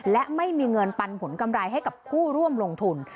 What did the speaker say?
และไม่มีเงินปันผลกำไรให้กับผู้ร่วมลงทุน